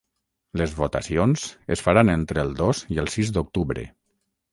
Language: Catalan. Les votacions es faran entre el dos i el sis d’octubre.